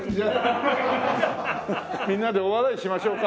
みんなで大笑いしましょうか。